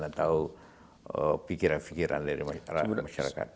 atau pikiran pikiran dari masyarakat